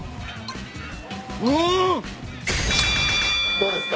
どうですか？